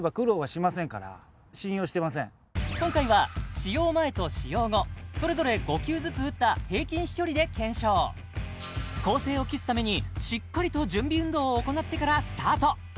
今回は使用前と使用後それぞれ５球ずつ打った平均飛距離で検証公正を期すためにしっかりと準備運動を行ってからスタート